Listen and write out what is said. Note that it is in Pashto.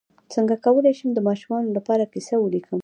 څنګه کولی شم د ماشومانو لپاره کیسه ولیکم